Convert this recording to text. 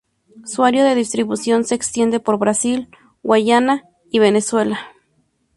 Su área de distribución se extiende por Brasil, Guyana y Venezuela.